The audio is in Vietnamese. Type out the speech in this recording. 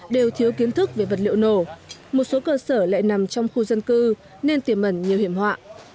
đều thiếu kiến thức về vật liệu nổ một số cơ sở lại nằm trong khu dân cư nên tiềm ẩn nhiều hiểm họa